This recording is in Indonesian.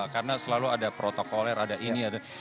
karena selalu ada protokoler ada ini ada